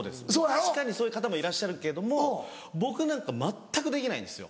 確かにそういう方もいらっしゃるけども僕なんか全くできないんですよ。